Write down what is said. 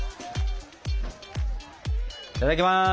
いただきます！